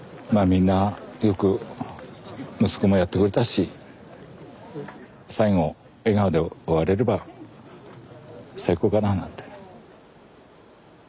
みんなよく息子もやってくれたし最後笑顔で終われれば最高かななんて。